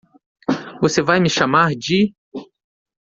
Você vai me chamar de?